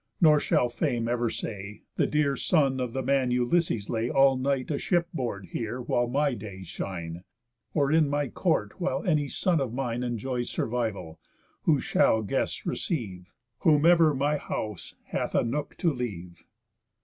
Nor shall Fame ever say, The dear son of the man Ulysses lay All night a ship board here while my days shine, Or in my court whiles any son of mine Enjoys survival, who shall guests receive, Whomever my house hath a nook to leave."